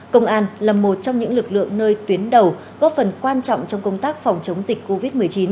công an là một trong những lực lượng nơi tuyến đầu góp phần quan trọng trong công tác phòng chống dịch covid một mươi chín